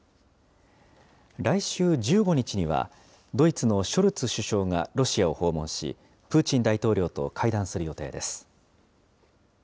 来週１５日には、ドイツのショルツ首相がロシアを訪問し、プーチン大統領と会談する予定です。